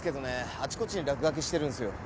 あちこちに落書きしてるんですよ。